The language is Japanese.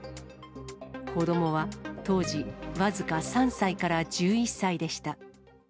子どもは当時、僅か３歳から１１歳でした。